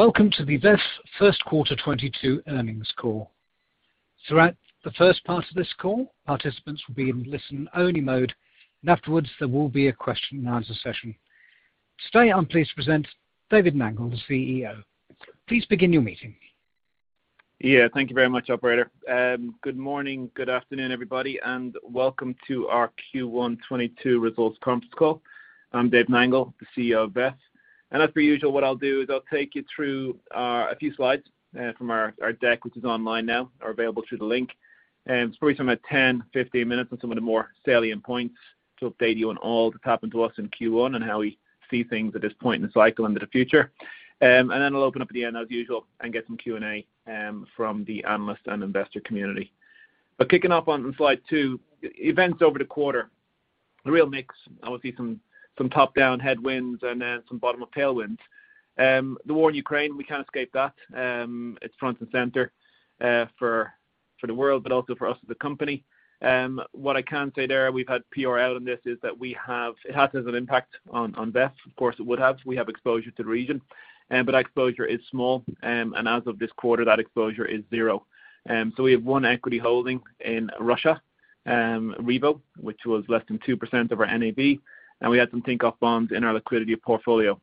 Welcome to the VEF first quarter 2022 earnings call. Throughout the first part of this call, participants will be in listen-only mode, and afterwards, there will be a question and answer session. Today, I'm pleased to present David Nangle, the CEO. Please begin your meeting. Yeah. Thank you very much, operator. Good morning, good afternoon, everybody, and welcome to our Q1 2022 results conference call. I'm Dave Nangle, the CEO of VEF. As per usual, what I'll do is I'll take you through a few slides from our deck, which is online now or available through the link. It'll probably take about 10, 15 minutes on some of the more salient points to update you on all that's happened to us in Q1 and how we see things at this point in the cycle into the future. Then I'll open up at the end as usual and get some Q&A from the analyst and investor community. Kicking off on slide two, events over the quarter, a real mix. Obviously some top-down headwinds and then some bottom-up tailwinds. The war in Ukraine, we can't escape that. It's front and center for the world, but also for us as a company. What I can say there, we've had PRL on this, is that it has an impact on VEF. Of course, it would have. We have exposure to the region. That exposure is small. As of this quarter, that exposure is zero. We have one equity holding in Russia, Revo, which was less than 2% of our NAV, and we had some Tinkoff bonds in our liquidity portfolio.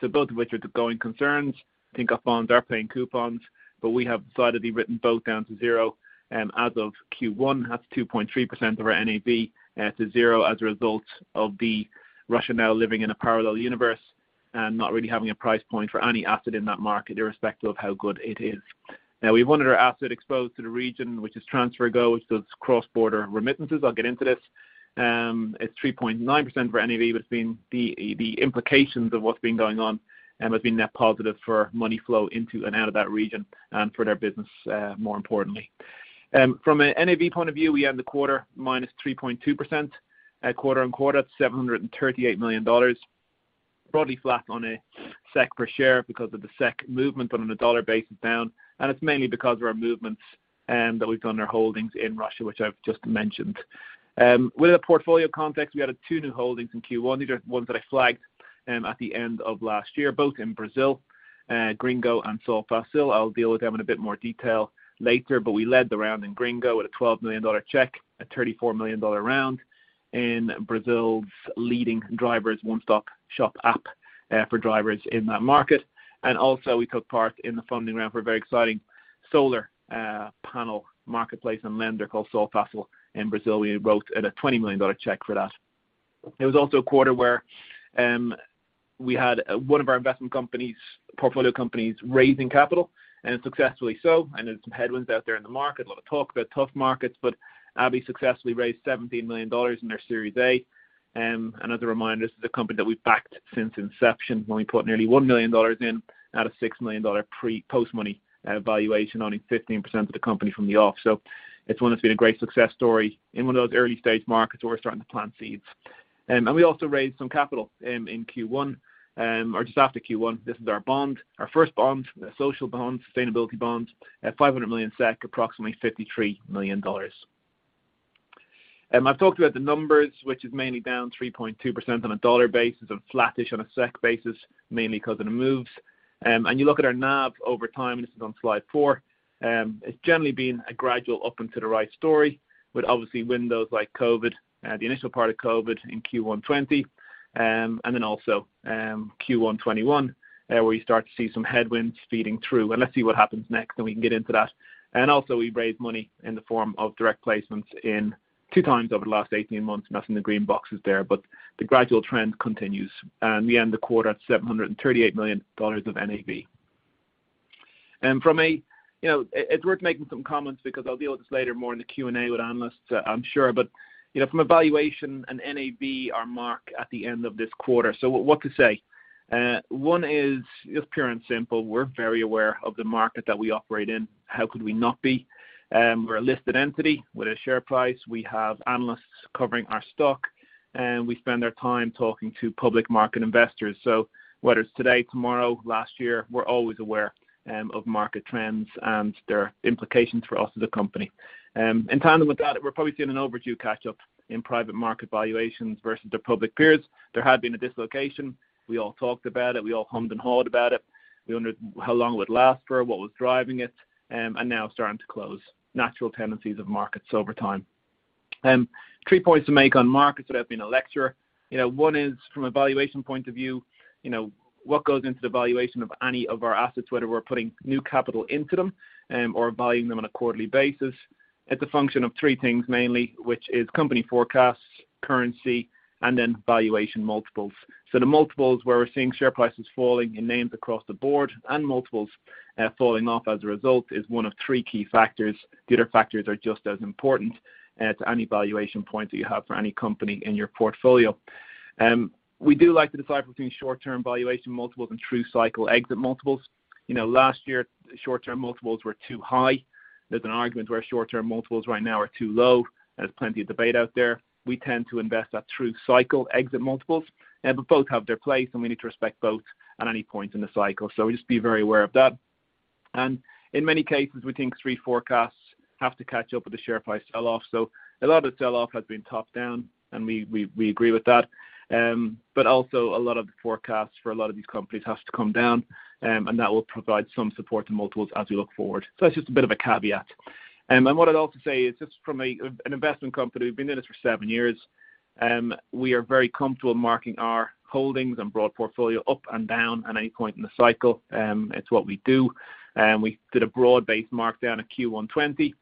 Both of which are the going concerns. Tinkoff bonds are paying coupons, but we have decided to write both down to zero. As of Q1, that's 2.3% of our NAV to zero as a result of Russia now living in a parallel universe and not really having a price point for any asset in that market, irrespective of how good it is. Now, we have one other asset exposed to the region, which is TransferGo, which does cross-border remittances. I'll get into this. It's 3.9% of NAV. It's been the implications of what's been going on has been net positive for money flow into and out of that region and for their business, more importantly. From a NAV point of view, we end the quarter -3.2%, quarter-over-quarter at $738 million, broadly flat on a SEK per share because of the SEK movement, but on a dollar basis down. It's mainly because of our movements that we've done on our holdings in Russia, which I've just mentioned. Within a portfolio context, we added two new holdings in Q1. These are ones that I flagged at the end of last year, both in Brazil, Gringo and Solfácil. I'll deal with them in a bit more detail later. We led the round in Gringo with a $12 million check, a $34 million round in Brazil's leading drivers one-stop shop app for drivers in that market. We also took part in the funding round for a very exciting solar panel marketplace and lender called Solfácil in Brazil. We wrote a $20 million check for that. It was also a quarter where we had one of our portfolio companies raising capital, and successfully so. I know there's some headwinds out there in the market, a lot of talk about tough markets, but Abhi successfully raised $17 million in their Series A. Another reminder, this is a company that we've backed since inception. We put nearly $1 million in out of $6 million pre post-money valuation, owning 15% of the company from the off. It's one that's been a great success story in one of those early stage markets where we're starting to plant seeds. We also raised some capital in Q1 or just after Q1. This is our bond, our first bond, a social bond, sustainability bond at 500 million SEK, approximately $53 million. I've talked about the numbers, which is mainly down 3.2% on a dollar basis and flattish on a SEK basis, mainly because of the moves. You look at our NAV over time, this is on slide four. It's generally been a gradual up and to the right story, with obviously windows like COVID, the initial part of COVID in Q1 2020, and then also Q1 2021, where you start to see some headwinds feeding through. Let's see what happens next, and we can get into that. Also, we raised money in the form of direct placements in two times over the last 18 months, and that's in the green boxes there. The gradual trend continues, and we end the quarter at $738 million of NAV. For me, you know, it's worth making some comments because I'll deal with this later more in the Q&A with analysts, I'm sure. You know, from a valuation and NAV, our mark at the end of this quarter. What to say? One is just pure and simple. We're very aware of the market that we operate in. How could we not be? We're a listed entity with a share price. We have analysts covering our stock, and we spend our time talking to public market investors. Whether it's today, tomorrow, last year, we're always aware of market trends and their implications for us as a company. In tandem with that, we're probably seeing an overdue catch-up in private market valuations versus their public peers. There had been a dislocation. We all talked about it. We all hummed and hawed about it. We wondered how long it would last for, what was driving it, and now starting to close natural tendencies of markets over time. Three points to make on markets without being a lecturer. You know, one is from a valuation point of view, you know, what goes into the valuation of any of our assets, whether we're putting new capital into them, or buying them on a quarterly basis. It's a function of three things mainly, which is company forecasts, currency, and then valuation multiples. The multiples where we're seeing share prices falling in names across the board and multiples falling off as a result is one of three key factors. The other factors are just as important to any valuation point that you have for any company in your portfolio. We do like to decipher between short-term valuation multiples and true cycle exit multiples. You know, last year, short-term multiples were too high. There's an argument where short-term multiples right now are too low. There's plenty of debate out there. We tend to invest at true cycle exit multiples. But both have their place, and we need to respect both at any point in the cycle. We just be very aware of that. In many cases, we think three forecasts have to catch up with the share price sell-off. A lot of sell-off has been top-down, and we agree with that. Also a lot of the forecasts for a lot of these companies has to come down, and that will provide some support to multiples as we look forward. That's just a bit of a caveat. What I'd also say is just from an investment company, we've been in this for seven years, we are very comfortable marking our holdings and broad portfolio up and down at any point in the cycle. It's what we do. We did a broad-based markdown at Q1 2020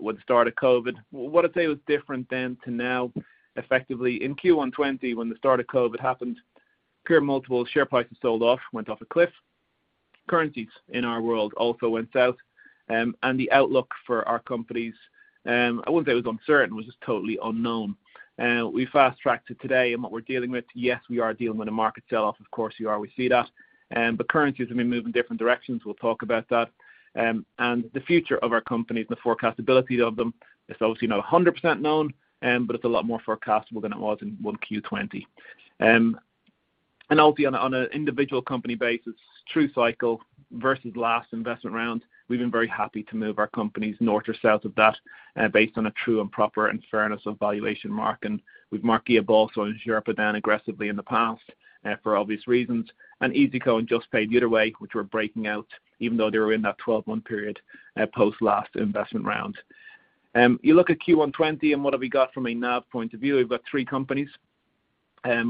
with the start of COVID. What I'd say was different then to now, effectively, in Q1 2020, when the start of COVID happened, pure multiple share prices sold off, went off a cliff. Currencies in our world also went south. The outlook for our companies, I wouldn't say it was uncertain, it was just totally unknown. We fast forward to today and what we're dealing with. Yes, we are dealing with a market sell-off, of course we are, we see that. Currencies have been moving different directions. We'll talk about that. The future of our companies and the forecastability of them is obviously not 100% known, but it's a lot more forecastable than it was in, well, Q1 2020. Obviously on an individual company basis, true cycle versus last investment round, we've been very happy to move our companies north or south of that, based on a true and proper and fairness of valuation mark. We've marked GuiaBolso and Xerpa down aggressively in the past, for obvious reasons. EasyCo and Juspay the other way, which were breaking out even though they were in that 12-month period post last investment round. You look at Q1 2020 and what have we got from a NAV point of view. We've got three companies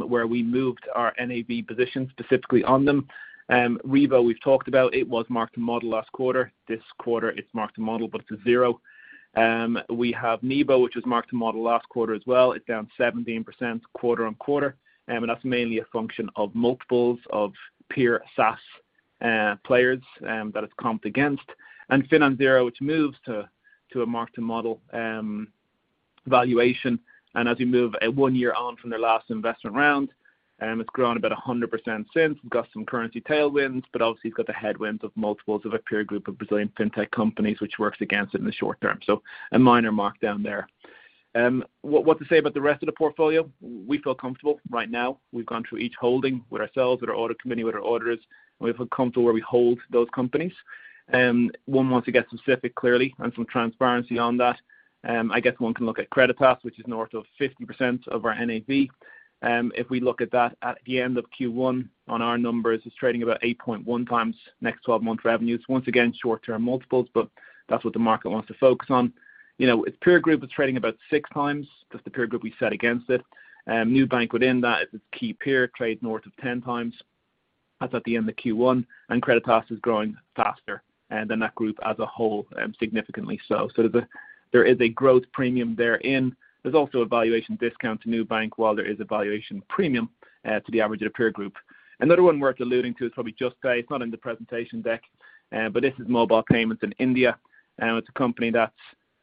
where we moved our NAV position specifically on them. Revo we've talked about. It was mark-to-model last quarter. This quarter, it's mark-to-model, but it's a zero. We have Nibo, which was mark-to-model last quarter as well. It's down 17% quarter-on-quarter, and that's mainly a function of multiples of peer SaaS players that it's comped against. FinanZero, which moves to a mark-to-model valuation. As we move one year on from their last investment round, it's grown about 100% since. We've got some currency tailwinds, but obviously you've got the headwinds of multiples of a peer group of Brazilian fintech companies which works against it in the short term. A minor markdown there. What to say about the rest of the portfolio? We feel comfortable right now. We've gone through each holding with ourselves, with our audit committee, with our auditors, and we feel comfortable where we hold those companies. One wants to get specific clearly and some transparency on that. I guess one can look at Creditas, which is north of 50% of our NAV. If we look at that at the end of Q1 on our numbers, it's trading about 8.1x next twelve-month revenues. Once again, short-term multiples, but that's what the market wants to focus on. You know, its peer group is trading about 6x. That's the peer group we set against it. Nubank within that is its key peer, trades north of 10x. That's at the end of Q1. Creditas is growing faster than that group as a whole, significantly so. There's a growth premium therein. There's also a valuation discount to Nubank while there is a valuation premium to the average of the peer group. Another one worth alluding to is probably Juspay. It's not in the presentation deck, but this is mobile payments in India. It's a company that's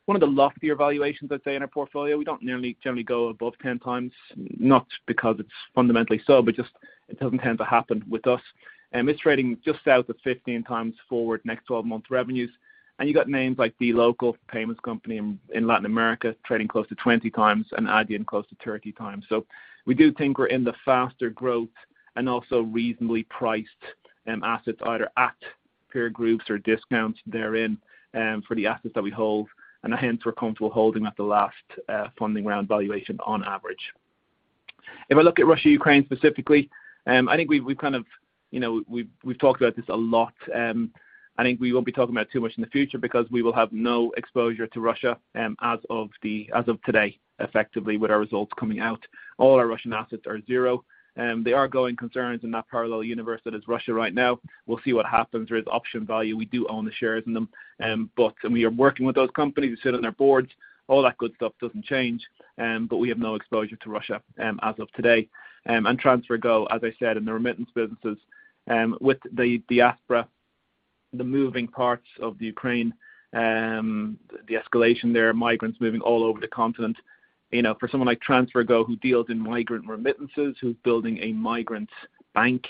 one of the loftier valuations, I'd say, in our portfolio. We don't nearly generally go above 10x, not because it's fundamentally so, but just it doesn't tend to happen with us. It's trading just south of 15x forward next 12 months' revenues. You got names like dLocal payments company in Latin America trading close to 20x and Adyen close to 30x. We do think we're in the faster growth and also reasonably priced assets either at peer groups or discounts therein for the assets that we hold. Hence we're comfortable holding at the last funding round valuation on average. If I look at Russia-Ukraine specifically, I think we've kind of, you know, talked about this a lot. I think we won't be talking about it too much in the future because we will have no exposure to Russia as of today, effectively, with our results coming out. All our Russian assets are zero. They are going concerns in that parallel universe that is Russia right now. We'll see what happens. There is option value. We do own the shares in them. We are working with those companies. We sit on their boards. All that good stuff doesn't change, but we have no exposure to Russia, as of today. TransferGo, as I said, in the remittance businesses, with the diaspora, the moving parts of the Ukraine, the escalation there, migrants moving all over the continent. You know, for someone like TransferGo who deals in migrant remittances, who's building a migrant bank,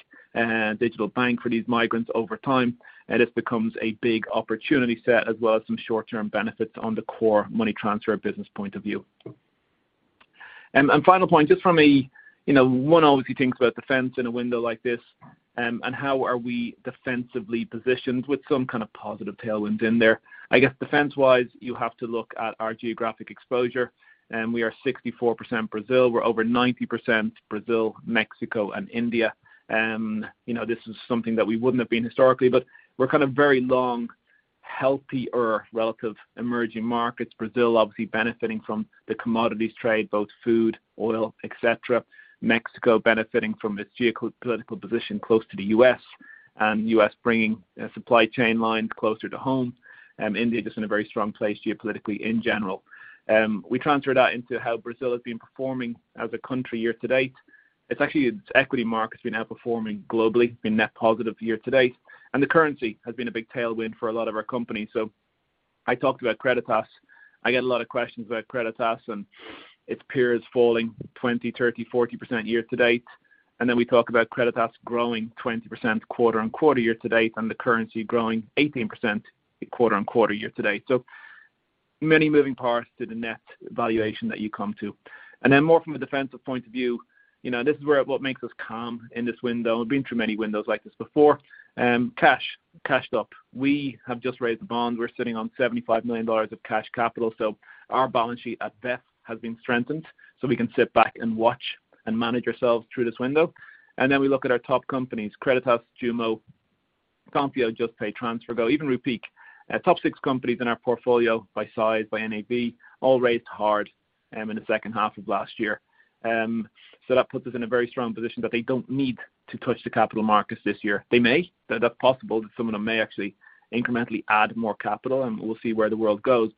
digital bank for these migrants over time, and this becomes a big opportunity set as well as some short-term benefits on the core money transfer business point of view. Final point, just from a, you know, one obviously thinks about defense in a window like this, and how are we defensively positioned with some kind of positive tailwinds in there. I guess defense-wise, you have to look at our geographic exposure. We are 64% Brazil. We're over 90% Brazil, Mexico, and India. You know, this is something that we wouldn't have been historically, but we're kind of very long, healthier relative emerging markets. Brazil obviously benefiting from the commodities trade, both food, oil, et cetera. Mexico benefiting from its geopolitical position close to the U.S., U.S. bringing supply chain lines closer to home. India just in a very strong place geopolitically in general. We translate that into how Brazil has been performing as a country year to date. It's actually its equity market's been outperforming globally, been net positive year to date. The currency has been a big tailwind for a lot of our companies. I talked about Creditas. I get a lot of questions about Creditas and its peers falling 20%, 30%, 40% year to date. Then we talk about Creditas growing 20% quarter-over-quarter year to date, and the currency growing 18% quarter-over-quarter year to date. Many moving parts to the net valuation that you come to. More from a defensive point of view, you know, this is where what makes us calm in this window. We've been through many windows like this before. Cash, cashed up. We have just raised the bond. We're sitting on $75 million of cash capital. Our balance sheet at best has been strengthened, so we can sit back and watch and manage ourselves through this window. Then we look at our top companies, Creditas, JUMO, Konfio, Juspay, TransferGo, even Rupeek. Top six companies in our portfolio by size, by NAV, all raised hard in the second half of last year. That puts us in a very strong position that they don't need to touch the capital markets this year. They may. That's possible that some of them may actually incrementally add more capital, and we'll see where the world goes.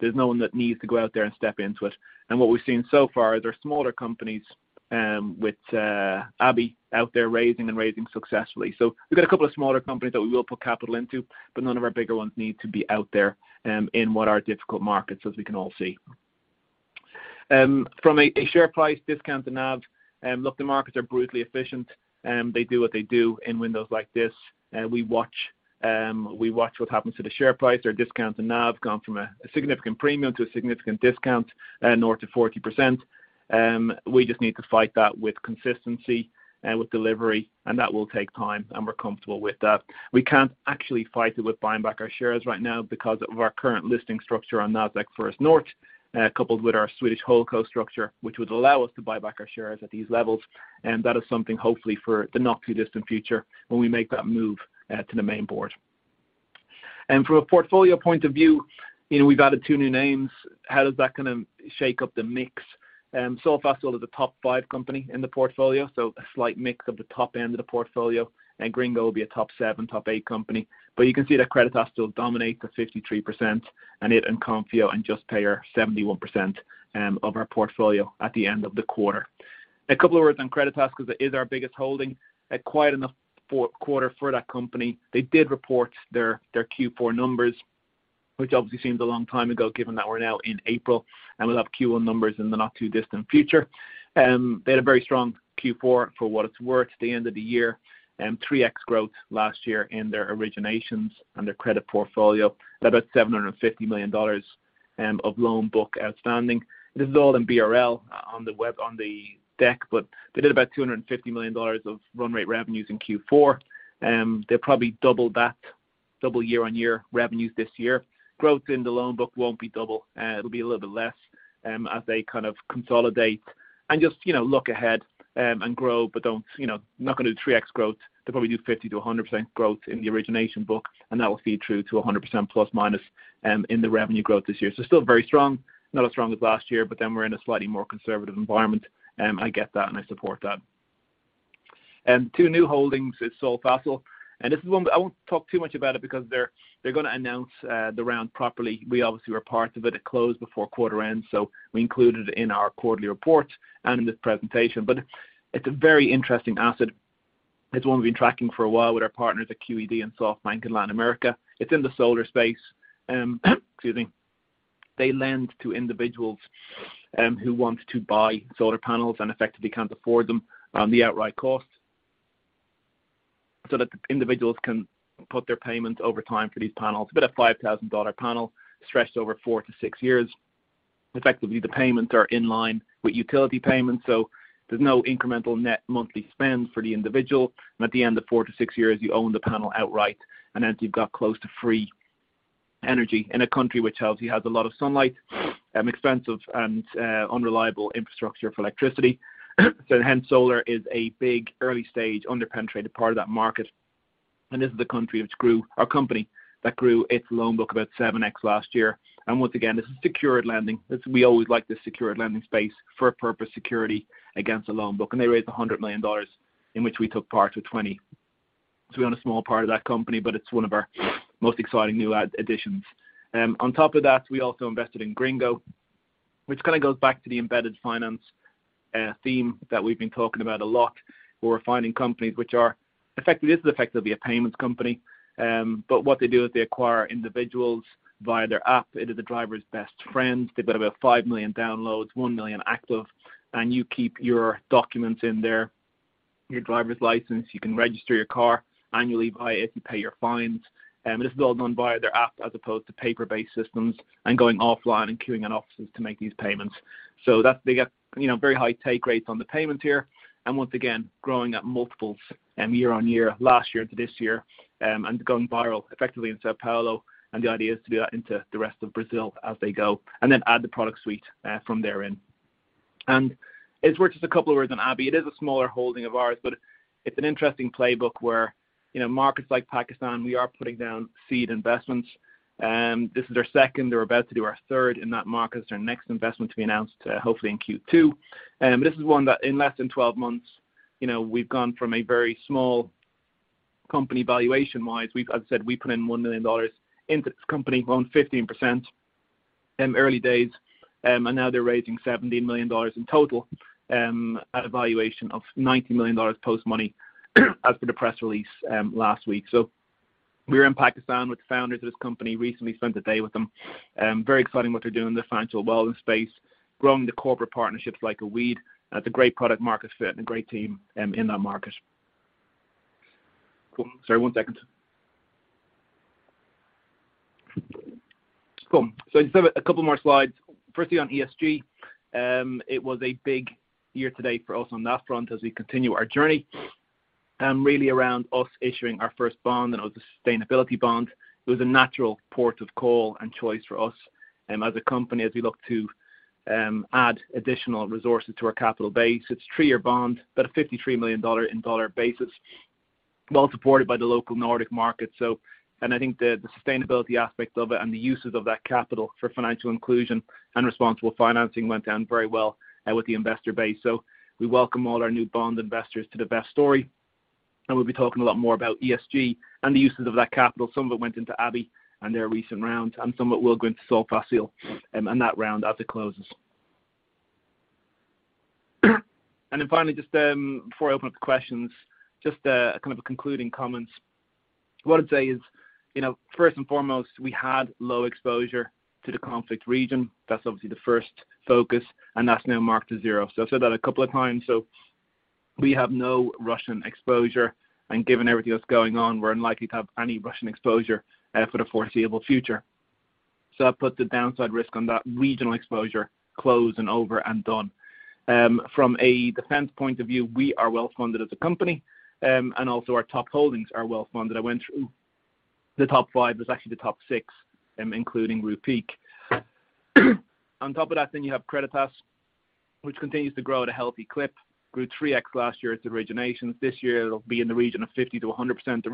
There's no one that needs to go out there and step into it. What we've seen so far, they're smaller companies with Abhi out there raising and raising successfully. We've got a couple of smaller companies that we will put capital into, but none of our bigger ones need to be out there in what are difficult markets, as we can all see. From a share price discount to NAV, look, the markets are brutally efficient, and they do what they do in windows like this. We watch what happens to the share price. Their discount to NAV gone from a significant premium to a significant discount north of 40%. We just need to fight that with consistency and with delivery, and that will take time, and we're comfortable with that. We can't actually fight it with buying back our shares right now because of our current listing structure on Nasdaq First North, coupled with our Swedish HoldCo structure, which would allow us to buy back our shares at these levels. That is something hopefully for the not-too-distant future when we make that move to the main board. From a portfolio point of view, you know, we've added two new names. How does that gonna shake up the mix? Solfácil is a top five company in the portfolio, so a slight mix of the top end of the portfolio. Gringo will be a top seven, top eight company. But you can see that Creditas still dominate the 53%, and it and Konfio and Juspay are 71% of our portfolio at the end of the quarter. A couple of words on Creditas because it is our biggest holding. Quite a quarter for that company. They did report their Q4 numbers, which obviously seems a long time ago, given that we're now in April, and we'll have Q1 numbers in the not-too-distant future. They had a very strong Q4 for what it's worth, the end of the year, 3x growth last year in their originations and their credit portfolio. They're about $750 million of loan book outstanding. This is all in BRL on the deck, but they did about $250 million of run rate revenues in Q4. They'll probably double that, double year-on-year revenues this year. Growth in the loan book won't be double. It'll be a little bit less, as they kind of consolidate and just, you know, look ahead, and grow. You know, not gonna do 3x growth. They'll probably do 50%-100% growth in the origination book, and that will feed through to 100% plus minus in the revenue growth this year. So still very strong, not as strong as last year, but then we're in a slightly more conservative environment. I get that and I support that. Two new holdings is Solfácil, and this is one that I won't talk too much about it because they're gonna announce the round properly. We obviously were part of it. It closed before quarter end, so we included it in our quarterly report and in this presentation. It's a very interesting asset. It's one we've been tracking for a while with our partners at QED and SoftBank in Latin America. It's in the solar space. They lend to individuals who want to buy solar panels and effectively can't afford them on the outright cost so that the individuals can put their payments over time for these panels. About a $5,000 panel stretched over 4-6 years. Effectively, the payments are in line with utility payments, so there's no incremental net monthly spend for the individual. At the end of 4-6 years, you own the panel outright. Then you've got close to free energy in a country which obviously has a lot of sunlight, expensive and unreliable infrastructure for electricity. Hence, solar is a big early-stage under-penetrated part of that market. This is the company that grew its loan book about 7x last year. Once again, this is secured lending. We always like this secured lending space for a purpose security against a loan book. They raised $100 million, in which we took part with $20 million. We own a small part of that company, but it's one of our most exciting new additions. On top of that, we also invested in Gringo, which kinda goes back to the embedded finance theme that we've been talking about a lot. We're finding companies which are effectively. This is effectively a payments company. But what they do is they acquire individuals via their app. It is the driver's best friend. They've got about 5 million downloads, 1 million active, and you keep your documents in there, your driver's license. You can register your car annually via it. You pay your fines. This is all done via their app as opposed to paper-based systems and going offline and queuing in offices to make these payments. That's. They get, you know, very high take rates on the payments here and once again, growing at multiples, year-on-year, last year to this year, and going viral effectively in São Paulo. The idea is to be out into the rest of Brazil as they go and then add the product suite from therein. It's worth just a couple of words on Abhi. It is a smaller holding of ours, but it's an interesting playbook where, you know, markets like Pakistan, we are putting down seed investments. This is our second. We're about to do our third in that market. It's our next investment to be announced, hopefully in Q2. This is one that in less than 12 months, you know, we've gone from a very small company valuation-wise. As I said, we put in $1 million into this company, grown 15% in early days, and now they're raising $70 million in total, at a valuation of $90 million post-money as per the press release, last week. We're in Pakistan with the founders of this company. Recently spent a day with them. Very exciting what they're doing in the financial wellness space, growing the corporate partnerships like a weed. It's a great product market fit and a great team, in that market. Cool. Sorry, one second. Cool. I just have a couple more slides. Firstly, on ESG, it was a big year to date for us on that front as we continue our journey, really around our issuing our first bond and it was a sustainability bond. It was a natural port of call and choice for us, as a company as we look to add additional resources to our capital base. It's 3-year bond, about $53 million on a dollar basis, well supported by the local Nordic market. I think the sustainability aspect of it and the uses of that capital for financial inclusion and responsible financing went down very well with the investor base. We welcome all our new bond investors to the VEF story, and we'll be talking a lot more about ESG and the uses of that capital. Some of it went into Abhi and their recent round, and some of it will go into Solfácil, and that round as it closes. Then finally, just, before I open up the questions, just, kind of a concluding comments. What I'd say is, you know, first and foremost, we had low exposure to the conflict region. That's obviously the first focus, and that's now marked to zero. I've said that a couple of times, so we have no Russian exposure. Given everything that's going on, we're unlikely to have any Russian exposure, for the foreseeable future. That puts the downside risk on that regional exposure closed and over and done. From a defense point of view, we are well-funded as a company, and also our top holdings are well-funded. I went through the top five. There's actually the top six, including Rupeek. On top of that, then you have Creditas, which continues to grow at a healthy clip. Grew 3x last year at the originations. This year it'll be in the region of 50%-100%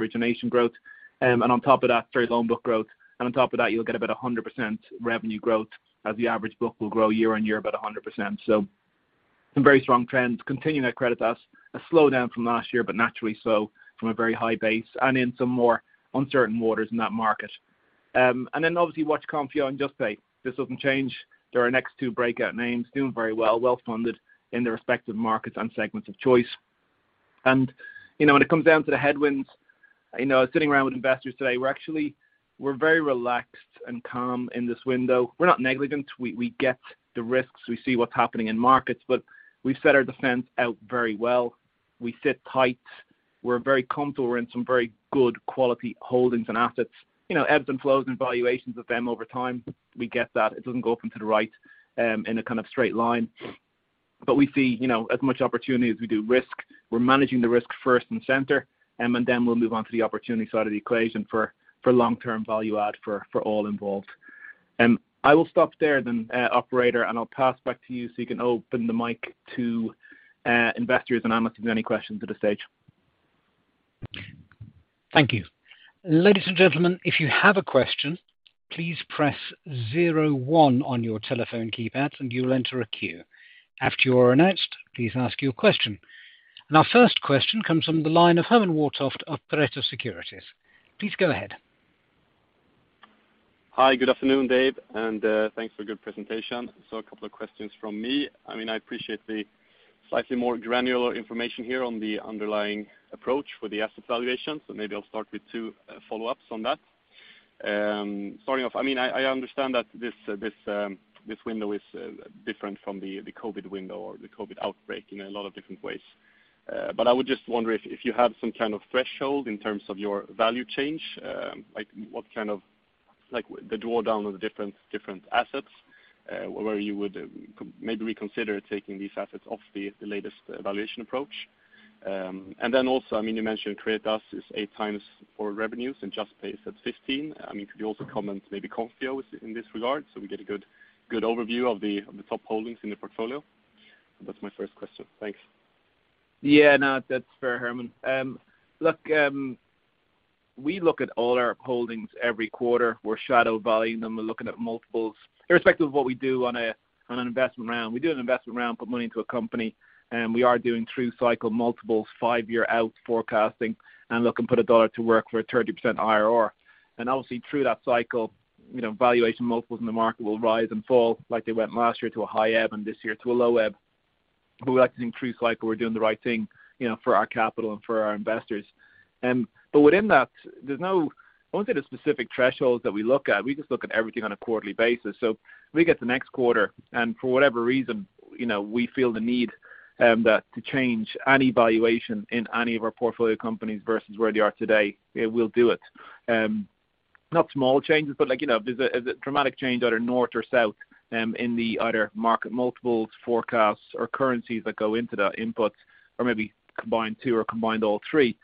loan book growth. On top of that, you'll get about 100% revenue growth as the average book will grow year-on-year about 100%. Some very strong trends continue at Creditas. A slowdown from last year, but naturally so from a very high base and in some more uncertain waters in that market. Then obviously watch Konfio and Juspay. This doesn't change. They're our next two breakout names. Doing very well, well-funded in their respective markets and segments of choice. You know, when it comes down to the headwinds, you know, sitting around with investors today, we're actually very relaxed and calm in this window. We're not negligent. We get the risks. We see what's happening in markets, but we've set our defense out very well. We sit tight. We're very comfortable. We're in some very good quality holdings and assets. You know, ebbs and flows and valuations of them over time. We get that. It doesn't go up into the right in a kind of straight line. We see, you know, as much opportunity as we do risk. We're managing the risk first and center, and then we'll move on to the opportunity side of the equation for long-term value add for all involved. I will stop there then, operator, and I'll pass back to you, so you can open the mic to investors, and I'm listening to any questions at this stage. Thank you. Ladies and gentlemen, if you have a question, please press zero one on your telephone keypad and you will enter a queue. After you are announced, please ask your question. Our first question comes from the line of Herman Wartoft of Pareto Securities. Please go ahead. Hi. Good afternoon, Dave, and thanks for a good presentation. A couple of questions from me. I mean, I appreciate the slightly more granular information here on the underlying approach for the asset valuation, so maybe I'll start with two follow-ups on that. Starting off, I mean, I understand that this window is different from the COVID window or the COVID outbreak in a lot of different ways. But I would just wonder if you have some kind of threshold in terms of your value change, like what kind of drawdown of the different assets, where you would maybe reconsider taking these assets off the latest valuation approach. Also, I mean, you mentioned Creditas is 8x revenues and Juspay is at 15x. I mean, could you also comment maybe Konfio in this regard so we get a good overview of the top holdings in the portfolio? That's my first question. Thanks. Yeah. No, that's fair, Herman. Look, we look at all our holdings every quarter. We're shadow valuing them. We're looking at multiples irrespective of what we do on an investment round. We do an investment round, put money into a company, and we are doing through-cycle multiples, five-year-out forecasting and look and put a dollar to work for a 30% IRR. Obviously through that cycle, you know, valuation multiples in the market will rise and fall like they went last year to a high ebb and this year to a low ebb. But we like to think through cycle we're doing the right thing, you know, for our capital and for our investors. But within that, I won't say there's specific thresholds that we look at. We just look at everything on a quarterly basis. If we get to next quarter and for whatever reason, you know, we feel the need to change any valuation in any of our portfolio companies versus where they are today, yeah, we'll do it. Not small changes, but like, you know, if there's a dramatic change either north or south in either market multiples, forecasts or currencies that go into that input or maybe combine two or combine all three,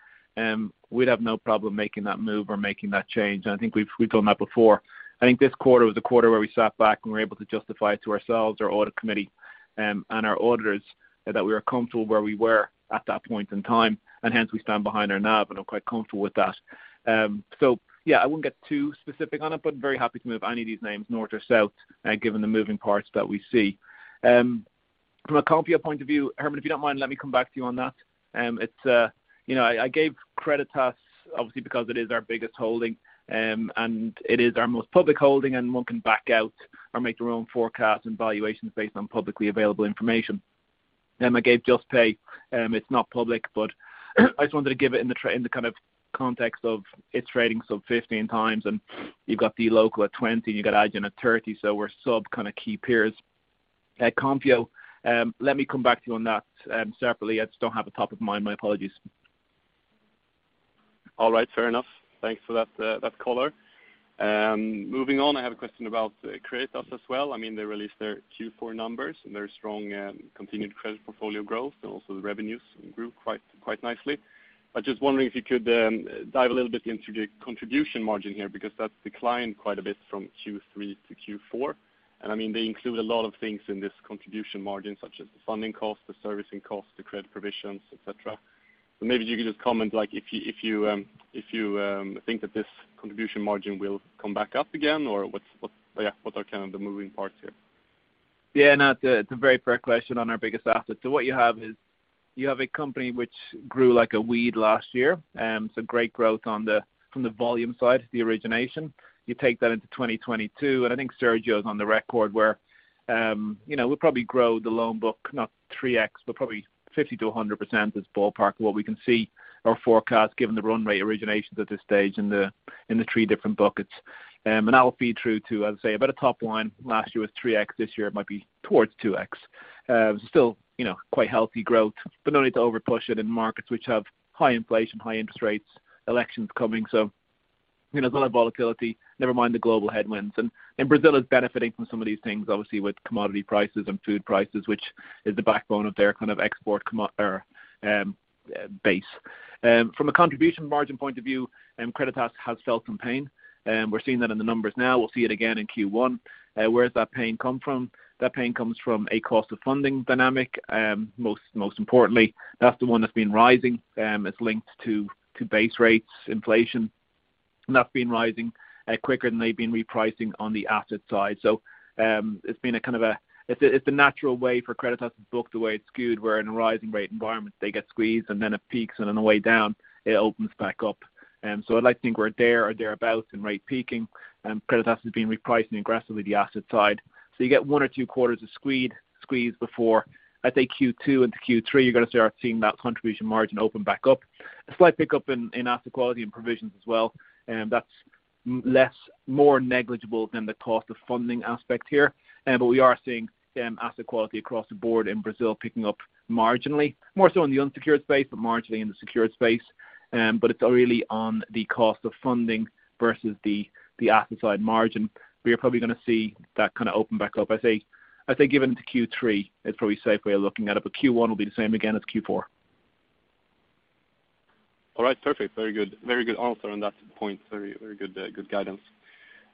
we'd have no problem making that move or making that change. I think we've done that before. I think this quarter was a quarter where we sat back and we were able to justify to ourselves, our audit committee, and our auditors that we were comfortable where we were at that point in time, and hence we stand behind there now, but I'm quite comfortable with that. I wouldn't get too specific on it, but very happy to move any of these names north or south, given the moving parts that we see. From a Konfio point of view, Herman, if you don't mind, let me come back to you on that. You know, I gave Creditas obviously because it is our biggest holding, and it is our most public holding and one can back out or make their own forecast and valuations based on publicly available information. I gave Juspay, it's not public, but I just wanted to give it in the kind of context of it's trading sub 15x and you've got dLocal at 20x and you've got Adyen at 30x. We're sub kind of key peers at Konfio. Let me come back to you on that, separately. I just don't have it top of mind. My apologies. All right, fair enough. Thanks for that color. Moving on, I have a question about Creditas as well. I mean, they released their Q4 numbers, and very strong, continued credit portfolio growth, and also the revenues grew quite nicely. I'm just wondering if you could dive a little bit into the contribution margin here, because that's declined quite a bit from Q3 to Q4. I mean, they include a lot of things in this contribution margin, such as the funding cost, the servicing cost, the credit provisions, et cetera. Maybe you could just comment, like, if you think that this contribution margin will come back up again, or what are kind of the moving parts here? Yeah, no, it's a very fair question on our biggest asset. What you have is a company which grew like a weed last year. Great growth on the volume side, the origination. You take that into 2022, and I think Sergio's on the record where, you know, we'll probably grow the loan book not 3x, but probably 50%-100% is ballpark what we can see or forecast given the run rate originations at this stage in the three different buckets. That will feed through to, I would say, a better top line. Last year was 3x. This year it might be towards 2x. Still, you know, quite healthy growth, but no need to overpush it in markets which have high inflation, high interest rates, elections coming, so, you know, there's a lot of volatility, never mind the global headwinds. Brazil is benefiting from some of these things, obviously with commodity prices and food prices, which is the backbone of their kind of export base. From a contribution margin point of view, Creditas has felt some pain. We're seeing that in the numbers now. We'll see it again in Q1. Where does that pain come from? That pain comes from a cost of funding dynamic, most importantly. That's the one that's been rising, it's linked to base rates, inflation, and that's been rising quicker than they've been repricing on the asset side. It's a natural way for Creditas' book, the way it's skewed, where in a rising rate environment, they get squeezed, and then it peaks, and on the way down, it opens back up. I'd like to think we're there or thereabout in rate peaking. Creditas has been repricing aggressively the asset side. You get one or two quarters of squeeze before, I'd say Q2 into Q3, you're gonna start seeing that contribution margin open back up. A slight pickup in asset quality and provisions as well. That's more negligible than the cost of funding aspect here. We are seeing asset quality across the board in Brazil picking up marginally, more so in the unsecured space, but marginally in the secured space. It's really on the cost of funding versus the asset side margin. We are probably gonna see that kinda open back up. I'd say give it into Q3 is probably a safe way of looking at it, but Q1 will be the same again as Q4. All right. Perfect. Very good. Very good answer on that point. Very, very good guidance.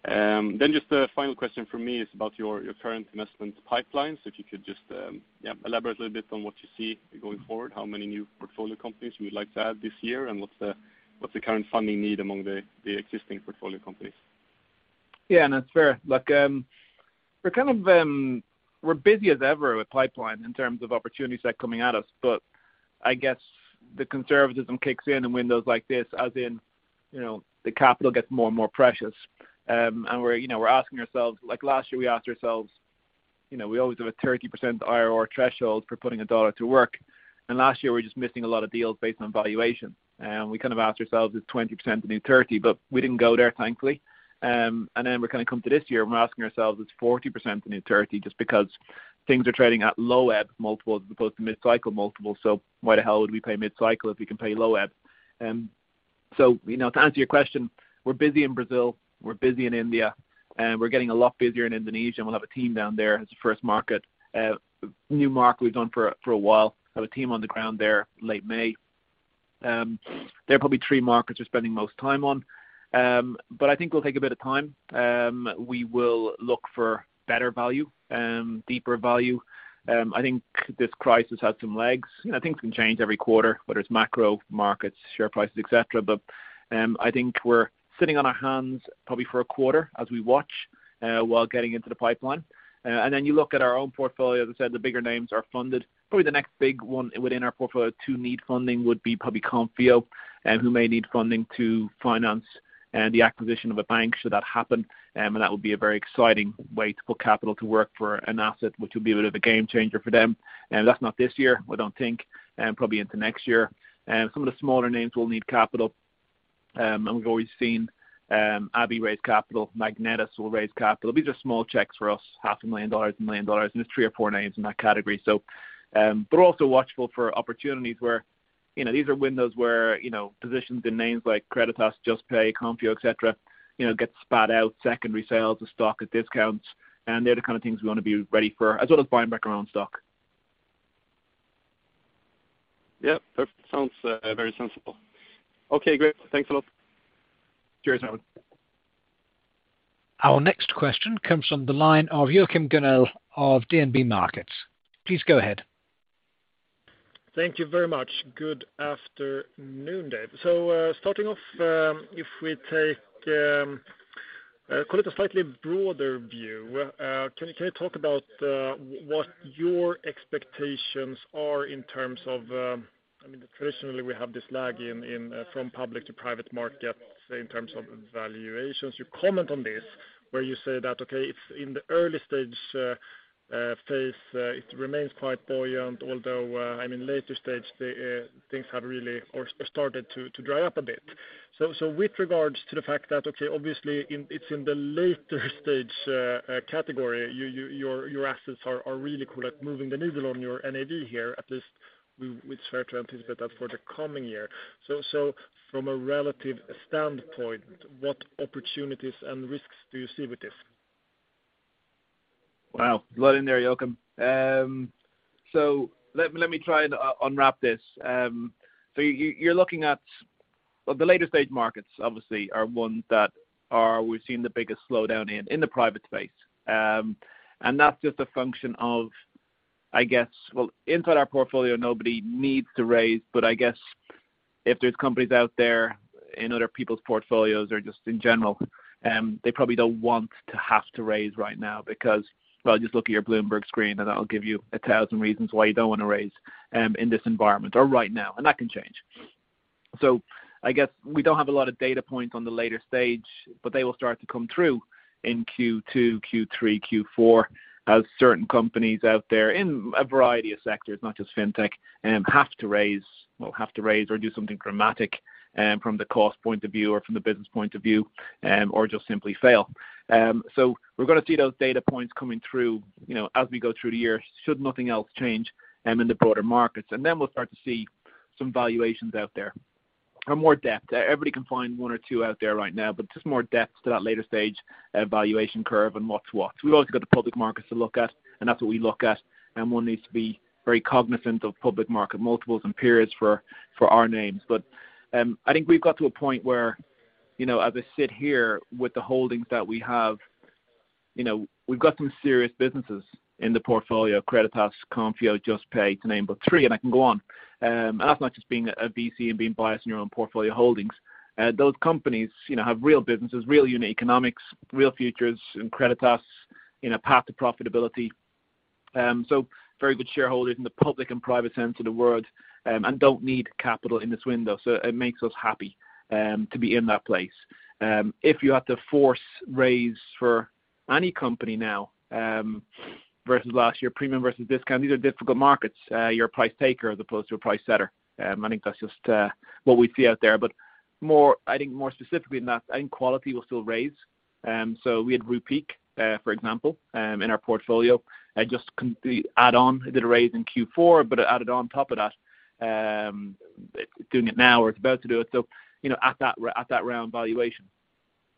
Just a final question from me is about your current investment pipeline. If you could just elaborate a little bit on what you see going forward, how many new portfolio companies you would like to add this year, and what's the current funding need among the existing portfolio companies? Yeah, no, it's fair. Look, we're kind of busy as ever with pipeline in terms of opportunities that are coming at us, but I guess the conservatism kicks in in windows like this, as in, you know, the capital gets more and more precious. We're, you know, asking ourselves, like last year we asked ourselves, you know, we always have a 30% IRR threshold for putting a dollar to work, and last year we were just missing a lot of deals based on valuation. We kind of asked ourselves is 20% the new 30%, but we didn't go there thankfully. We kind of come to this year, and we're asking ourselves is 40% the new 30% just because things are trading at low ebb multiples as opposed to mid-cycle multiples, so why the hell would we pay mid-cycle if we can pay low ebb? You know, to answer your question, we're busy in Brazil, we're busy in India, and we're getting a lot busier in Indonesia, and we'll have a team down there as a first market, new market we've done for a while. Have a team on the ground there late May. They're probably three markets we're spending most time on. I think we'll take a bit of time. We will look for better value, deeper value. I think this crisis has some legs. You know, things can change every quarter, whether it's macro markets, share prices, et cetera. I think we're sitting on our hands probably for a quarter as we watch while getting into the pipeline. You look at our own portfolio, as I said, the bigger names are funded. Probably the next big one within our portfolio to need funding would be Konfio, who may need funding to finance the acquisition of a bank should that happen. That would be a very exciting way to put capital to work for an asset which will be a bit of a game changer for them. That's not this year, I don't think, probably into next year. Some of the smaller names will need capital, and we've always seen Abhi raise capital, Magnetis will raise capital. These are small checks for us, half a million dollars, $1 million, and there's three or four names in that category. We're also watchful for opportunities where, you know, these are windows where, you know, positions in names like Creditas, Juspay, Konfio, et cetera, you know, get spat out, secondary sales, the stock at discounts, and they're the kind of things we wanna be ready for, as well as buying back our own stock. Yeah. That sounds very sensible. Okay, great. Thanks a lot. Cheers, Herman. Our next question comes from the line of Joachim Gunell of DNB Markets. Please go ahead. Thank you very much. Good afternoon, Dave. Starting off, if we take, call it a slightly broader view, can you talk about what your expectations are in terms of, I mean, traditionally we have this lag in from public to private markets in terms of valuations. You comment on this where you say that, okay, it's in the early stage phase, it remains quite buoyant although, I mean, later stage the things have really started to dry up a bit. With regards to the fact that, okay, obviously it's in the later stage category, your assets are really good at moving the needle on your NAV here. At least we, it's fair to anticipate that for the coming year. From a relative standpoint, what opportunities and risks do you see with this? Wow. A lot in there, Joachim. Let me try and unwrap this. You're looking at. Well, the later stage markets obviously are ones that we've seen the biggest slowdown in the private space. That's just a function of, I guess. Well, inside our portfolio, nobody needs to raise, but I guess if there's companies out there in other people's portfolios or just in general, they probably don't want to have to raise right now because just look at your Bloomberg screen, and that'll give you a thousand reasons why you don't wanna raise in this environment or right now, and that can change. I guess we don't have a lot of data points on the later stage, but they will start to come through in Q2, Q3, Q4 as certain companies out there in a variety of sectors, not just fintech, have to raise or do something dramatic, from the cost point of view or from the business point of view, or just simply fail. We're gonna see those data points coming through, you know, as we go through the year should nothing else change, in the broader markets. We'll start to see some valuations out there and more depth. Everybody can find one or two out there right now, but just more depth to that later stage, valuation curve and what's what. We've also got the public markets to look at, and that's what we look at, and one needs to be very cognizant of public market multiples and peers for our names. I think we've got to a point where, you know, as I sit here with the holdings that we have, you know, we've got some serious businesses in the portfolio, Creditas, Konfio, Juspay to name but three, and I can go on. That's not just being a VC and being biased in your own portfolio holdings. Those companies, you know, have real businesses, real unit economics, real futures, and Creditas on a path to profitability. Very good shareholders in the public and private sense of the word, and don't need capital in this window. It makes us happy, to be in that place. If you have to force raise for any company now, versus last year, premium versus discount, these are difficult markets. You're a price taker as opposed to a price setter. I think that's just what we see out there. I think more specifically than that, I think quality will still raise. We had Rupeek, for example, in our portfolio, just the add-on. It did a raise in Q4, but it added on top of that, doing it now or it's about to do it. You know, at that round valuation,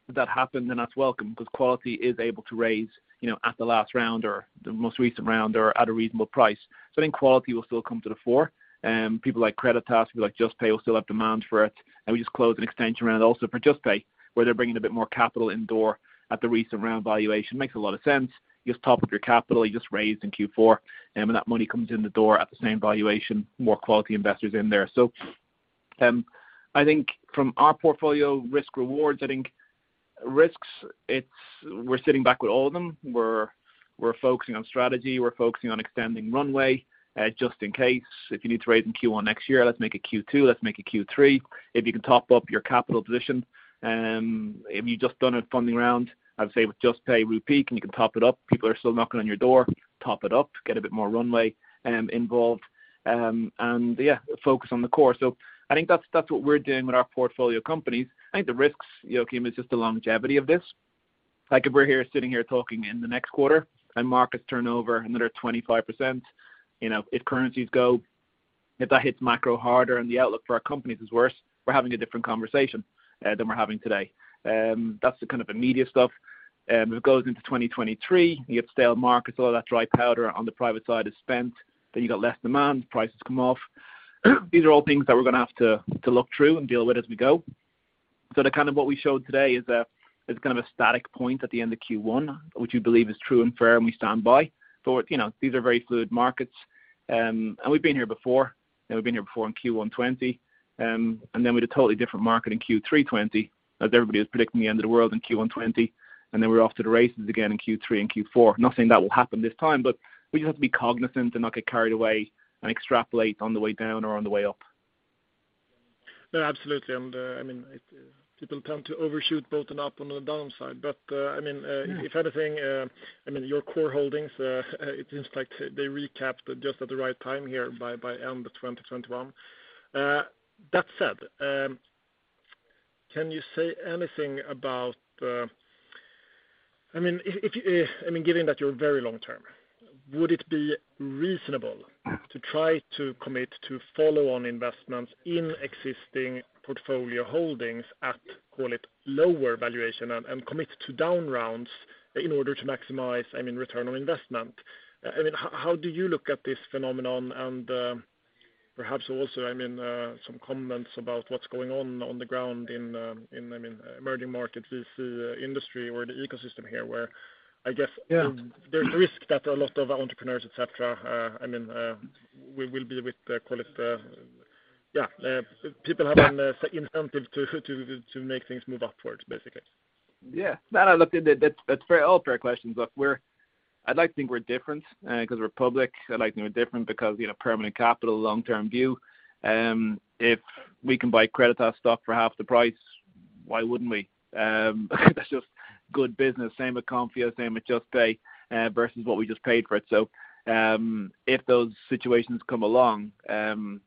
if that happens, then that's welcome because quality is able to raise, you know, at the last round or the most recent round or at a reasonable price. I think quality will still come to the fore. People like Creditas, people like Juspay will still have demand for it, and we just closed an extension round also for Juspay, where they're bringing a bit more capital in the door at the recent round valuation. Makes a lot of sense. You just top up your capital you just raised in Q4, and when that money comes in the door at the same valuation, more quality investors in there. I think from our portfolio risk-reward, I think the risks. We're sitting back with all of them. We're focusing on strategy. We're focusing on extending runway, just in case if you need to raise in Q1 next year, let's make it Q2, let's make it Q3. If you can top up your capital position, if you've just done a funding round, I would say with Juspay, Rupeek, and you can top it up. People are still knocking on your door, top it up, get a bit more runway, involved. Yeah, focus on the core. I think that's what we're doing with our portfolio companies. I think the risks, Joachim, is just the longevity of this. Like if we're here sitting here talking in the next quarter and markets turn over another 25%, you know, if currencies go, if that hits macro harder and the outlook for our companies is worse, we're having a different conversation than we're having today. That's the kind of immediate stuff. If it goes into 2023, you have stale markets, all that dry powder on the private side is spent, then you've got less demand, prices come off. These are all things that we're gonna have to look through and deal with as we go. The kind of what we showed today is kind of a static point at the end of Q1, which we believe is true and fair, and we stand by. You know, these are very fluid markets, and we've been here before, and we've been here before in Q1 2020. Then we had a totally different market in Q3 2020, as everybody was predicting the end of the world in Q1 2020. Then we're off to the races again in Q3 and Q4. Not saying that will happen this time, but we just have to be cognizant and not get carried away and extrapolate on the way down or on the way up. No, absolutely. I mean, people tend to overshoot both on up and on the downside. Yeah If anything, I mean, your core holdings, it seems like they recapped just at the right time here by end of 2021. That said, can you say anything about, I mean, if I mean, given that you're very long term, would it be reasonable? Mm-hmm to try to commit to follow-on investments in existing portfolio holdings at, call it, lower valuation and commit to down rounds in order to maximize, I mean, return on investment? I mean, how do you look at this phenomenon? Perhaps also, I mean, some comments about what's going on on the ground in, I mean, emerging markets, this, industry or the ecosystem here, where I guess- Yeah There's risk that a lot of entrepreneurs, et cetera, I mean, will be with, call it, yeah, people have an incentive to make things move upwards, basically. No, look, that's all fair questions. Look, I'd like to think we're different 'cause we're public. I'd like to think we're different because, you know, permanent capital, long-term view. If we can buy Creditas stock for half the price, why wouldn't we? That's just good business. Same with Konfio, same with Juspay versus what we just paid for it. If those situations come along, we're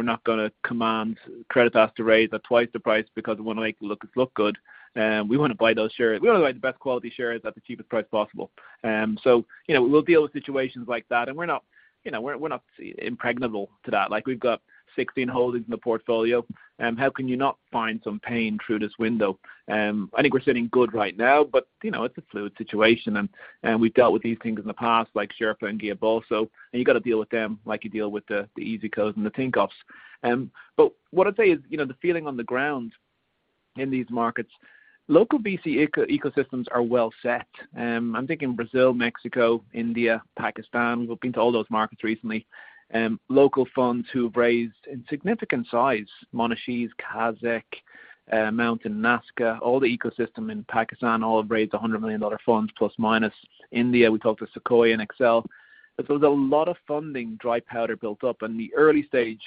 not gonna command Creditas to raise at twice the price because we wanna make it look good. We wanna buy those shares. We wanna buy the best quality shares at the cheapest price possible. You know, we'll deal with situations like that, and we're not, you know, we're not impregnable to that. Like, we've got 16 holdings in the portfolio. How can you not find some pain through this window? I think we're sitting good right now, but, you know, it's a fluid situation and we've dealt with these things in the past, like Xerpa and GuiaBolso. You've gotta deal with them like you deal with the EasyCos and the Tinkoffs. But what I'd say is, you know, the feeling on the ground in these markets, local VC ecosystems are well set. I'm thinking Brazil, Mexico, India, Pakistan. We've been to all those markets recently. Local funds who've raised in significant size, Monashees, Kaszek, Mountain Nazca, all the ecosystem in Pakistan all have raised $100 million funds, plus minus India. We talked to Sequoia and Accel. There's a lot of funding, dry powder built up, and the early stage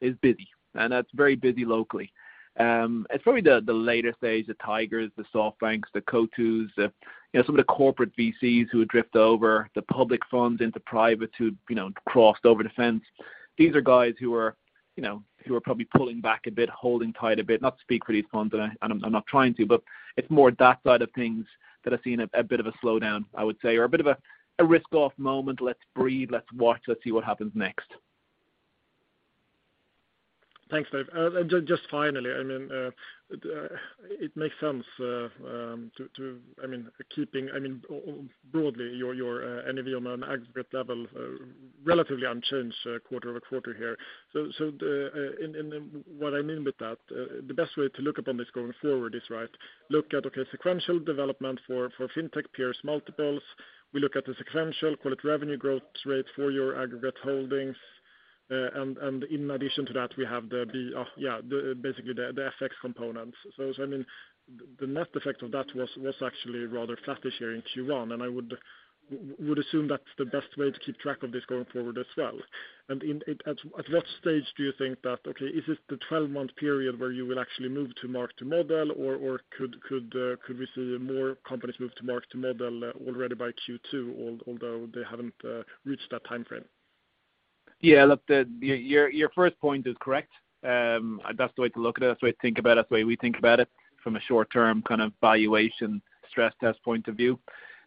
is busy, and that's very busy locally. It's probably the later stage, the Tigers, the SoftBanks, the Coatue, you know, some of the corporate VCs who had drift over the public funds into private to, you know, crossed over the fence. These are guys who are, you know, who are probably pulling back a bit, holding tight a bit, not to speak for these funds, and I'm not trying to, but it's more that side of things that I've seen a bit of a slowdown, I would say, or a bit of a risk-off moment. Let's breathe, let's watch, let's see what happens next. Thanks, Dave. Just finally, I mean, it makes sense to I mean broadly your NAV on an aggregate level relatively unchanged quarter over quarter here. What I mean with that, the best way to look upon this going forward is, right, look at, okay, sequential development for fintech peers multiples. We look at the sequential quality revenue growth rate for your aggregate holdings. In addition to that, we have the, yeah, basically the FX components. I mean, the net effect of that was actually rather flattish here in Q1, and I would assume that's the best way to keep track of this going forward as well. At what stage do you think that, okay, is it the 12-month period where you will actually move to mark-to-model, or could we see more companies move to mark-to-model already by Q2 although they haven't reached that timeframe? Yeah. Look, your first point is correct. That's the way to look at it. That's the way to think about it. That's the way we think about it from a short-term kind of valuation stress test point of view.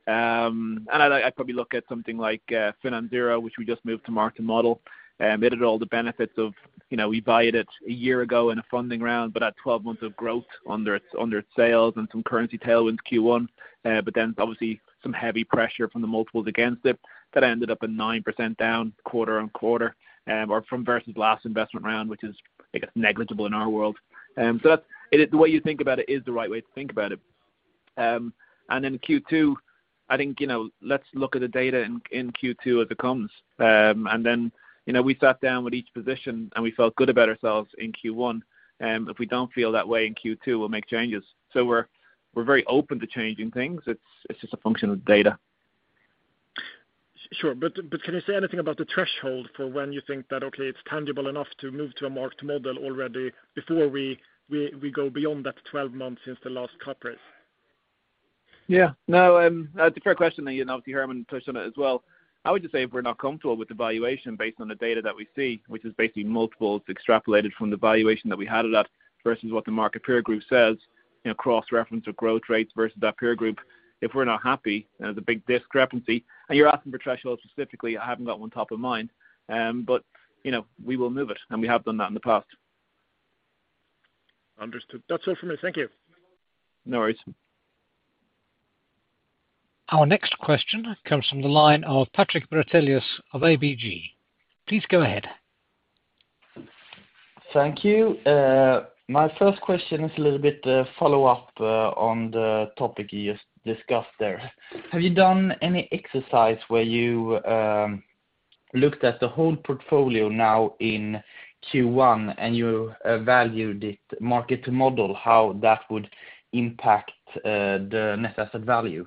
I'd probably look at something like FinanZero, which we just moved to mark-to-model. It had all the benefits of, you know, we buy it at a year ago in a funding round, but at 12 months of growth under its sales and some currency tailwinds Q1. But then obviously some heavy pressure from the multiples against it that ended up at 9% down quarter-on-quarter, or from versus last investment round, which is, I guess, negligible in our world. It is the way you think about it is the right way to think about it. Q2, I think, you know, let's look at the data in Q2 as it comes. You know, we sat down with each position and we felt good about ourselves in Q1. If we don't feel that way in Q2, we'll make changes. We're very open to changing things. It's just a function of data. Sure. Can you say anything about the threshold for when you think that, okay, it's tangible enough to move to a mark-to-model already before we go beyond that 12 months since the last cut price? Yeah. No, it's a fair question that, you know, obviously Herman touched on it as well. I would just say if we're not comfortable with the valuation based on the data that we see, which is basically multiples extrapolated from the valuation that we had it at versus what the market peer group says, you know, cross-reference or growth rates versus that peer group. If we're not happy and there's a big discrepancy. You're asking for thresholds specifically. I haven't got one top of mind. You know, we will move it, and we have done that in the past. Understood. That's all for me. Thank you. No worries. Our next question comes from the line of Patrik Brattelius of ABG. Please go ahead. Thank you. My first question is a little bit follow-up on the topic you just discussed there. Have you done any exercise where you looked at the whole portfolio now in Q1 and you valued it mark-to-model, how that would impact the net asset value?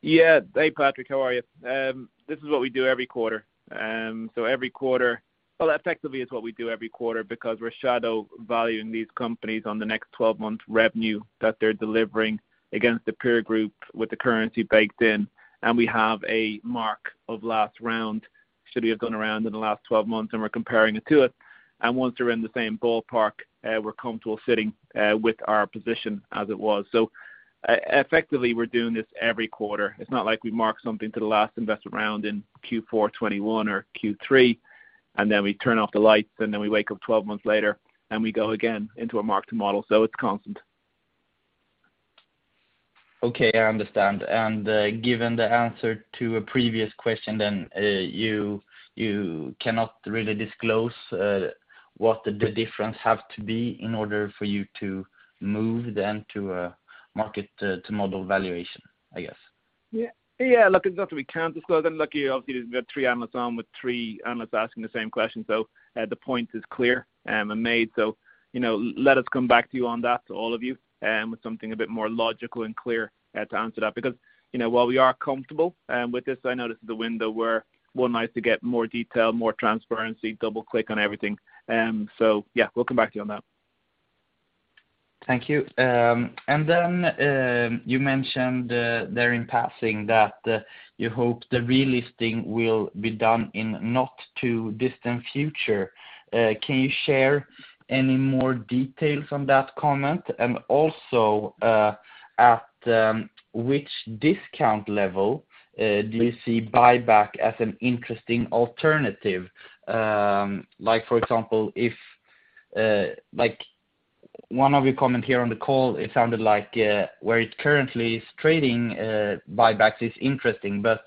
Yeah. Hey, Patrik, how are you? This is what we do every quarter. Well, effectively it's what we do every quarter because we're shadow valuing these companies on the next 12-month revenue that they're delivering against the peer group with the currency baked in, and we have a mark of last round should we have gone around in the last 12 months and we're comparing it to it, and once they're in the same ballpark, we're comfortable sitting with our position as it was. Effectively we're doing this every quarter. It's not like we mark something to the last investment round in Q4 2021 or Q3, and then we turn off the lights, and then we wake up 12 months later, and we go again into a mark-to-model. It's constant. Okay. I understand. Given the answer to a previous question then, you cannot really disclose what the difference have to be in order for you to move then to a mark-to-model valuation, I guess. Yeah. Yeah, look, it's not that we can't disclose them. Look, obviously we've got three analysts on with three analysts asking the same question, so the point is clear and made. You know, let us come back to you on that to all of you with something a bit more logical and clear to answer that. Because, you know, while we are comfortable with this, I know this is the window where one likes to get more detail, more transparency, double-click on everything. Yeah, we'll come back to you on that. Thank you. You mentioned there in passing that you hope the relisting will be done in not too distant future. Can you share any more details on that comment? At which discount level do you see buyback as an interesting alternative? Like for example, if like, one of your comment here on the call, it sounded like where it currently is trading, buybacks is interesting, but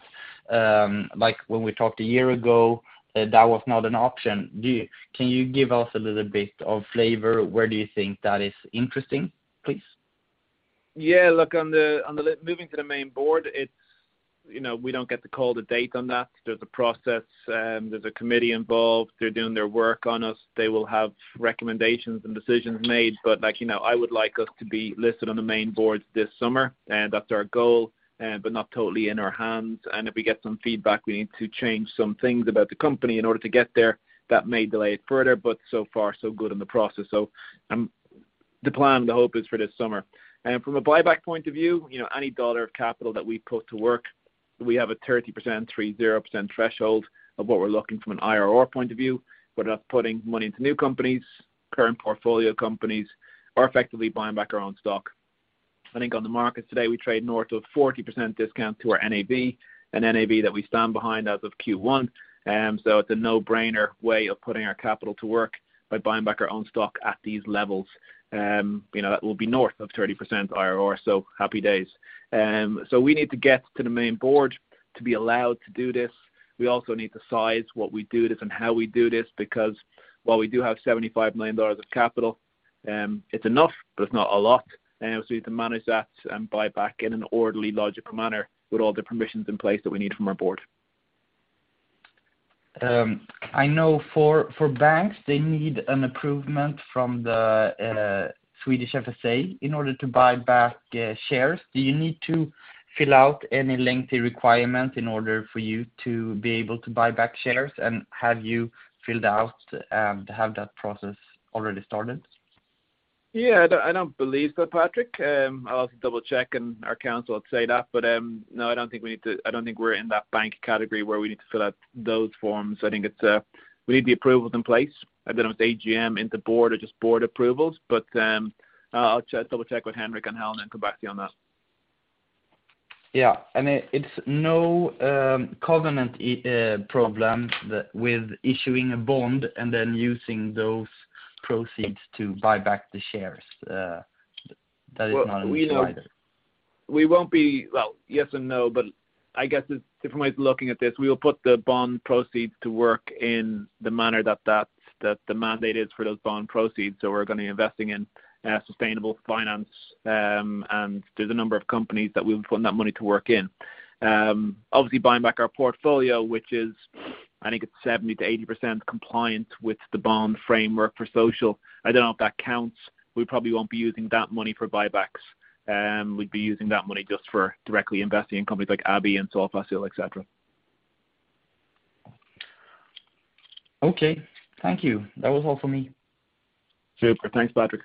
like when we talked a year ago, that was not an option. Can you give us a little bit of flavor, where do you think that is interesting, please? Yeah. Look, moving to the main board, it's, you know, we don't get to call the date on that. There's a process, there's a committee involved. They're doing their work on us. They will have recommendations and decisions made. Like, you know, I would like us to be listed on the main board this summer, and that's our goal, but not totally in our hands. If we get some feedback, we need to change some things about the company in order to get there. That may delay it further, but so far so good in the process. The plan, the hope is for this summer. From a buyback point of view, you know, any dollar of capital that we put to work, we have a 30% threshold of what we're looking from an IRR point of view, whether that's putting money into new companies, current portfolio companies, or effectively buying back our own stock. I think on the markets today, we trade north of 40% discount to our NAV, an NAV that we stand behind as of Q1, so it's a no-brainer way of putting our capital to work by buying back our own stock at these levels. You know, that will be north of 30% IRR, so happy days. We need to get to the main board to be allowed to do this. We also need to size what we do this and how we do this because while we do have $75 million of capital, it's enough, but it's not a lot. We need to manage that and buy back in an orderly, logical manner with all the permissions in place that we need from our board. I know for banks they need an approval from the Swedish FSA in order to buy back shares. Do you need to fill out any lengthy requirement in order for you to be able to buy back shares, and has that process already started? Yeah. I don't believe so, Patrik. I'll have to double-check and our counsel would say that, but no, I don't think we need to. I don't think we're in that bank category where we need to fill out those forms. I think it's we need the approvals in place. I don't know if it's AGM and board or just board approvals, but I'll check, double-check with Henrik and Helen and come back to you on that. It is no covenant problem with issuing a bond and then using those proceeds to buy back the shares. That is not an issue either. Well, yes and no, but I guess there's different ways of looking at this. We will put the bond proceeds to work in the manner that the mandate is for those bond proceeds. We're gonna be investing in sustainable finance, and there's a number of companies that we would put that money to work in. Obviously buying back our portfolio, which is, I think, 70%-80% compliant with the bond framework for social. I don't know if that counts. We probably won't be using that money for buybacks. We'd be using that money just for directly investing in companies like Abhi and Solfácil, et cetera. Okay. Thank you. That was all for me. Super. Thanks, Patrik.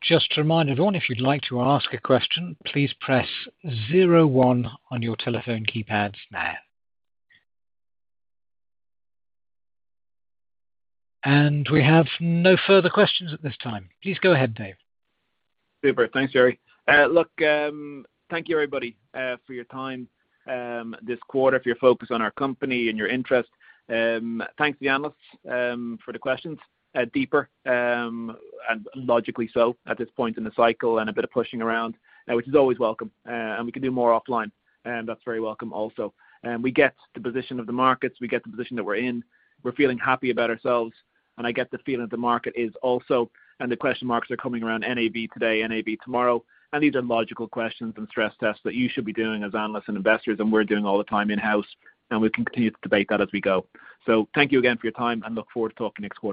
Just a reminder to all, if you'd like to ask a question, please press zero one on your telephone keypads now. We have no further questions at this time. Please go ahead, Dave. Super. Thanks, Jerry. Look, thank you, everybody, for your time, this quarter, for your focus on our company and your interest. Thanks to the analysts, for the questions, deeper, and logically so at this point in the cycle and a bit of pushing around. That which is always welcome, and we can do more offline, and that's very welcome also. We get the position of the markets, we get the position that we're in. We're feeling happy about ourselves, and I get the feeling that the market is also, and the question marks are coming around NAV today, NAV tomorrow. These are logical questions and stress tests that you should be doing as analysts and investors, and we're doing all the time in-house, and we can continue to debate that as we go. Thank you again for your time, and look forward to talking next quarter.